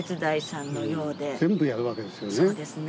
全部やるわけですよね。